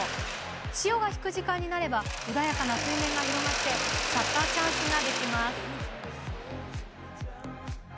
潮が引く時間になれば穏やかな水面が広がりシャッターチャンスがきます。